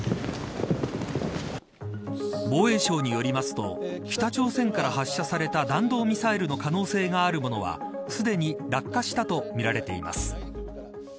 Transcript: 防衛省によりますと北朝鮮から発射された弾道ミサイルの可能性のあるものはすでに落下したとみられています。